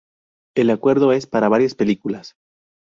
El acuerdo es para varias películas.